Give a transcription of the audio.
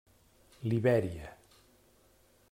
Libèria.